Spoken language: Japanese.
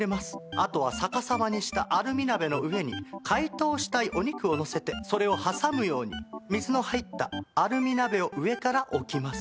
あとは逆さまにしたアルミ鍋の上に解凍したいお肉を乗せてそれを挟むように水の入ったアルミ鍋を上から置きます。